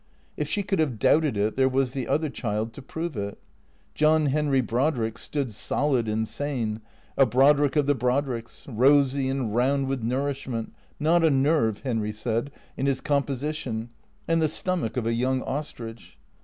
If she could have doubted it there was the other child to prove it. John Henry Brodrick stood solid and sane, a Brod rick of the Brodricks, rosy and round with nourishment, not a nerve, Henry said, in his composition, and the stomach of a young ostrich.